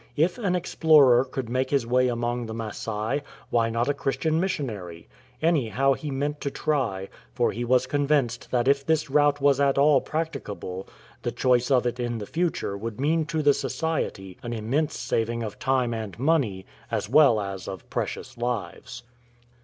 If an explorer could make his way among the Masai, why not a Christian missionary ? Any how, he meant to try, for he was convinced that if this route was at all practicable, the choice of it in the future would mean to the Society an immense saving of time and money, as well as of precious lives.